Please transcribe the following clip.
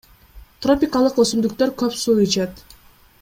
Тропикалык өсүмдүктөр көп суу ичет.